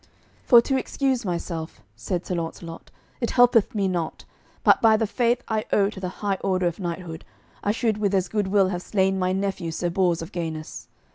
"For to excuse myself," said Sir Launcelot, "it helpeth me not, but by the faith I owe to the high order of knighthood, I should with as good will have slain my nephew Sir Bors of Ganis.